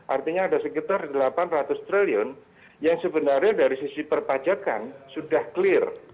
artinya ada sekitar delapan ratus triliun yang sebenarnya dari sisi perpajakan sudah clear